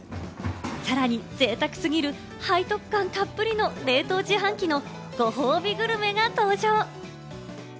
さらにぜいたく過ぎる背徳感たっぷりの冷凍自販機のご褒美グルメが登場。